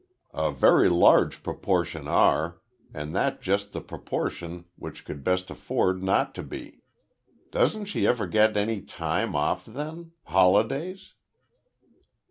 "A very large proportion are, and that just the proportion which could best afford not to be. Doesn't she ever get any time off then? Holidays?"